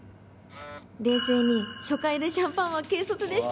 「冷静に初回でシャンパンは軽率でした」。